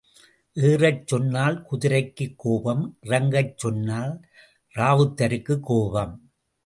ஏறச் சொன்னால் குதிரைக்குக் கோபம் இறங்கச் சொன்னால் ராவுத்தருக்குக் கோபம்.